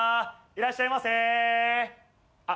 いらっしゃいませ。